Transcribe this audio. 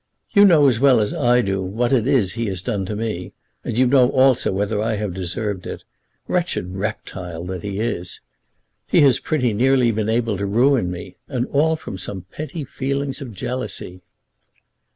You know as well as I do what it is he has done to me, and you know also whether I have deserved it. Wretched reptile that he is! He has pretty nearly been able to ruin me, and all from some petty feeling of jealousy."